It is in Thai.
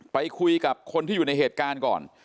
ไปคุยกับคนที่อยู่ในเหตุการณ์ก่อน